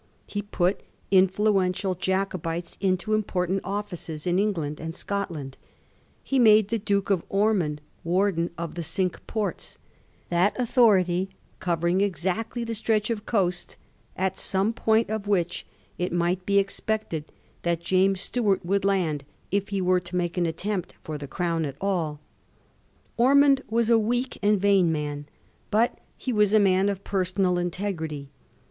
He put in fluential Jacobites into important offices in England and Scotland ; he made the Duke of Ormond Warden of the Cinque Ports, that authority covering exactly the stretch of coast at some point of which it might be expected that James Stuart would land if he were to make an attempt for the Crown at aU. Ormond was a weak and vain man, but he was a man of personal integrity.